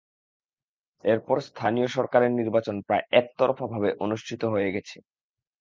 এরপর স্থানীয় সরকারের নির্বাচন প্রায় একতরফাভাবে অনুষ্ঠিত হয়ে গেছে।